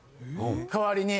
代わりに。